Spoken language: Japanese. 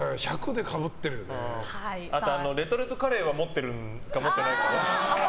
あとレトルトカレーを持ってるか持ってないか。